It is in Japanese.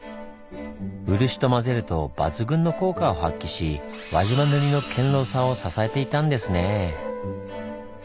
漆とまぜると抜群の効果を発揮し輪島塗の堅牢さを支えていたんですねぇ。